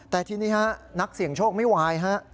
แต่ทีนี้ฮะนักเสี่ยงโชคไม่วายฮะ